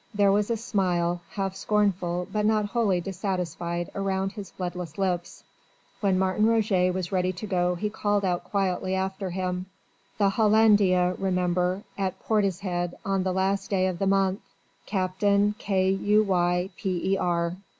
There was a smile half scornful, but not wholly dissatisfied around his bloodless lips. When Martin Roget was ready to go he called out quietly after him: "The Hollandia remember! At Portishead on the last day of the month. Captain K U Y P E R."